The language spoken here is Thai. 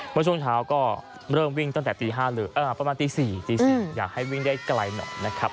เมื่อช่วงเช้าก็เริ่มวิ่งตั้งแต่ประมาณตี๔ตี๔อยากให้วิ่งได้ไกลหน่อยนะครับ